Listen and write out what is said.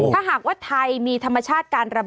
ถ้าหากว่าไทยมีธรรมชาติการระบาด